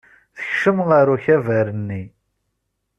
Tekcem ɣer ukabar-nni.